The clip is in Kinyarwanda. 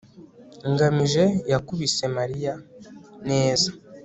ngamije yakubise mariya.? neza